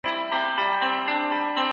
هره کیسه په خپل ذات کي یو لوی درس لري.